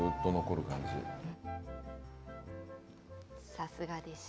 さすがでした。